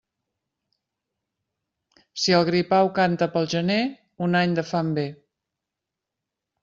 Si el gripau canta pel gener, un any de fam ve.